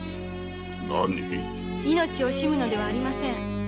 何⁉命を惜しむのではありません。